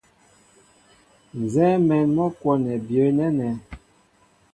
Nzɛ́ɛ́ mɛ̌n mɔ́ kwɔ́nɛ byə̌ nɛ́nɛ́.